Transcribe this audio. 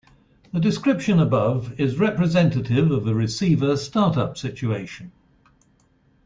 The description above is representative of a receiver start-up situation.